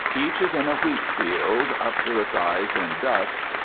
Each is in a wheat field, up to its eyes in dust.